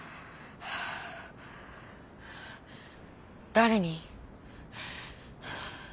誰に？